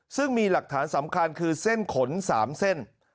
ซึ่งมีหลักฐานสำคัญคือเส้นขน๓เส้น